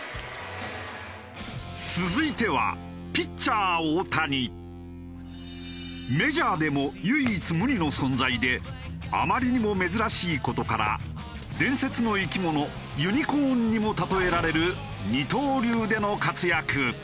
続いてはメジャーでも唯一無二の存在であまりにも珍しい事から伝説の生き物ユニコーンにも例えられる。